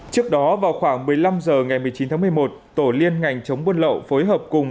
trước đó vào khoảng một mươi năm h ngày một mươi chín tháng một mươi một tổ liên ngành chống buôn lậu phối hợp cùng